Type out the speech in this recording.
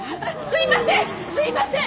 すいません！